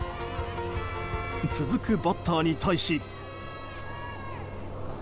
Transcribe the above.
続くバッターに対し。